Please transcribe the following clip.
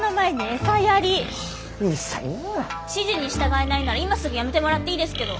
指示に従えないなら今すぐ辞めてもらっていいですけど。